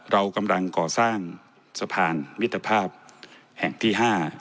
เรากำลังก่อสร้างสะพานมิตรภาพแห่งที่๕